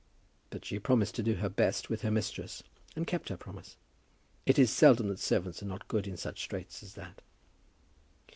But she promised to do her best with her mistress, and kept her promise. It is seldom that servants are not good in such straits as that.